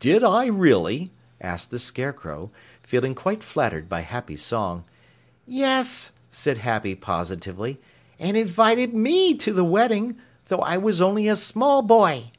"Did I really?" asked the Scarecrow, feeling quite flattered by Happy's song. "Yes," said Happy positively, "and invited me to the wedding, though I was only a small boy."